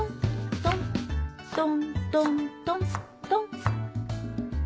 トントントントン。